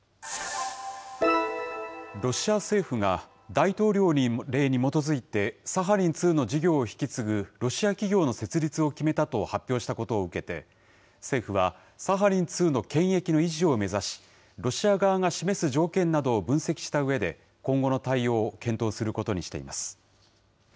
ロシア政府が大統領令に基づいて、サハリン２の事業を引き継ぐロシア企業の設立を決めたと発表したことを受けて、政府は、サハリン２の権益の維持を目指し、ロシア側が示す条件などを分析したうえで、今後の対応を検討することにしています。